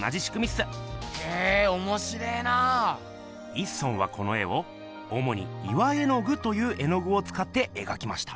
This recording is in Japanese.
一村はこの絵をおもに「岩絵具」という絵のぐをつかってえがきました。